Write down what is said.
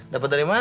dapet dari mana